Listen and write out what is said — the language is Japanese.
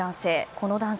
この男性